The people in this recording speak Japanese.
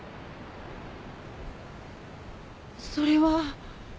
それは。